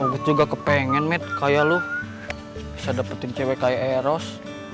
uwgut juga kepengen med kaya lu bisa dapetin cewek kaya eros